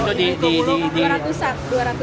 oh itu di bulog